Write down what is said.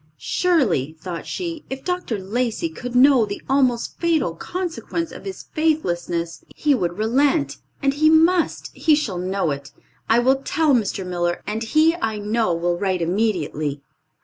"Surely," thought she, "if Dr. Lacey could know the almost fatal consequence of his faithlessness he would relent; and he must, he shall know it. I will tell Mr. Miller and he I know will write immediately."